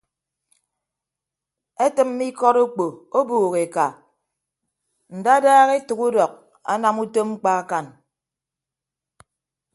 Etịmme ikọt okpo ọbuuk eka ndadaha etәk udọk anam utom mkpa akañ.